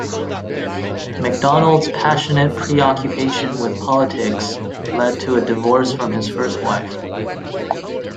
McDonald's passionate preoccupation with politics led to a divorce from his first wife.